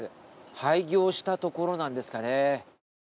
廃業したところなんですかね。